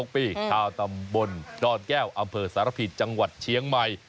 ชาวตำบลดอนแก้วอำเภอสารพีจังหวัดเชียงใหม่